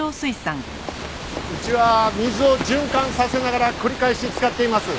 うちは水を循環させながら繰り返し使っています。